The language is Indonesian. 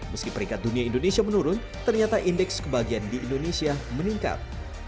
meski peringkat dunia indonesia menurun ternyata indeks kebahagiaan di indonesia meningkat